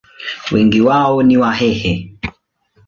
Wengi wao ni Wahehe.